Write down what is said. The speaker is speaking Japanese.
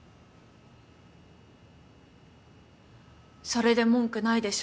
それで文句ないでしょ？